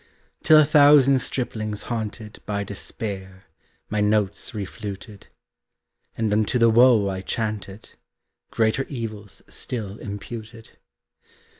Till a thousand striplings haunted By despair, my notes re fluted, And unto the woe I chanted, Greater evils still imputed.